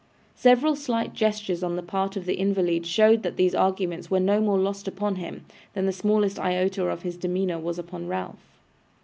Several slight gestures on the part of the invalid showed that these arguments were no more lost upon him, than the smallest iota of his demeanour was upon Ralph.